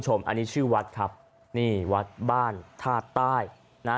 อันนี้ชื่อวัดครับนี่วัดบ้านธาตุใต้นะฮะ